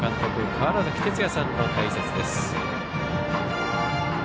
川原崎哲也さんの解説です。